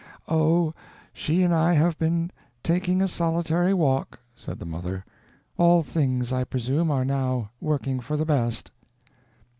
"Oh, she and I have been taking a solitary walk," said the mother; "all things, I presume, are now working for the best."